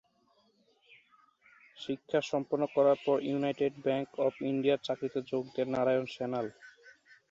শিক্ষা সম্পন্ন করার পর ইউনাইটেড ব্যাঙ্ক অব ইন্ডিয়ার চাকরিতে যোগ দেন নারায়ন সান্যাল।